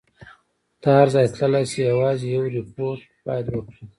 ته هر ځای تللای شې، یوازې یو ریپورټ باید وکړي.